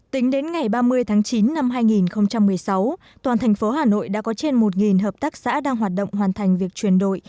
tính đến ngày ba mươi tháng chín năm hai nghìn một mươi sáu toàn thành phố hà nội đã có trên một hợp tác xã đang hoạt động hoàn thành việc chuyển đổi